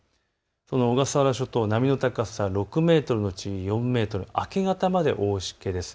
小笠原諸島、波の高さ６メートル後４メートル、明け方まで大しけです。